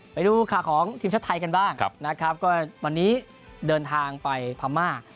ไปดูข่าวของทีมชาติไทยกันบ้างนะครับก็วันนี้เดินทางไปพม่า